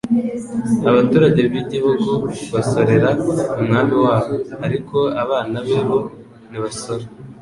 Abaturage b'igihugu basorera umwami wabo, ariko abana be bo ntibasora.